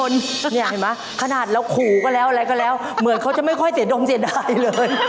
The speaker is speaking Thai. เห็นไหมขนาดเราขู่ก็แล้วอะไรก็แล้วเหมือนเขาจะไม่ค่อยเสียดมเสียดายเลย